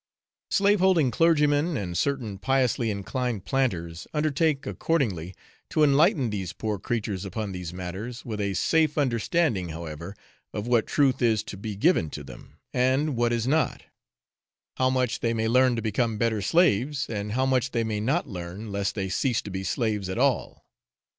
Slave holding clergymen, and certain piously inclined planters, undertake, accordingly, to enlighten these poor creatures upon these matters, with a safe understanding, however, of what truth is to be given to them, and what is not; how much they may learn to become better slaves, and how much they may not learn, lest they cease to be slaves at all.